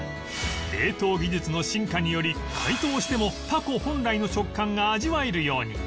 冷凍技術の進化により解凍してもタコ本来の食感が味わえるように